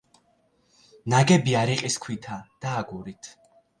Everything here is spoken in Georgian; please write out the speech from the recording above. ნაგებია რიყის ქვითა და აგურით.